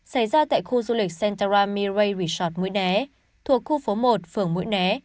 xảy ra tại khu du lịch sentara mirai resort mũi né thuộc khu phố một phường mũi né